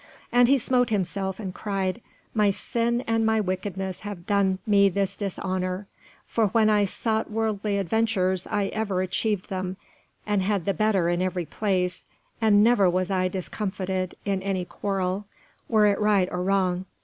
And he smote himself and cried, "My sin and my wickedness have done me this dishonour; for when I sought worldly adventures I ever achieved them and had the better in every place, and never was I discomfited in any quarrel, were it right or wrong.